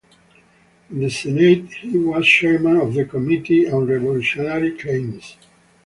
In the Senate, he was chairman of the Committee on Revolutionary Claims.